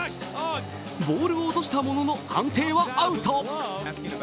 ボールを落としたものの、判定はアウト。